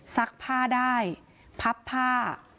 ซักผ้าได้พับผ้า